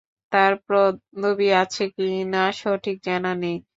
তার পদবী আছে কিনা সঠিক জানা নেই।